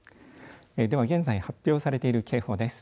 では現在発表されている警報です。